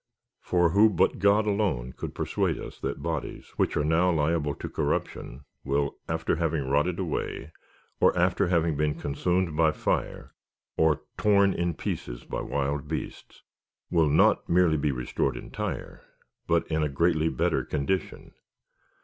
For who but God alone could persuade us that bodies, which are now liable to corruption, will, after having rotted away, or after they have been consumed by fire, or torn in pieces hj wdld beasts, will not merely be restored entire, but in a greatly better condition.